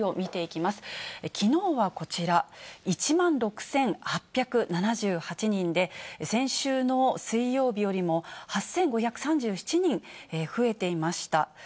きのうはこちら、１万６８７８人で、先週の水曜日よりも８５３７人増えていました。